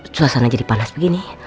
suasana jadi panas begini